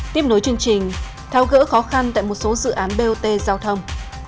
tiếp nối chương trình thao gỡ khó khăn tại một số dự án bot giao thông